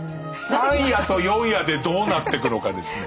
３夜と４夜でどうなってくのかですね。